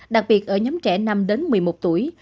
đặc biệt ở nhóm trẻ năm đến một mươi một tuổi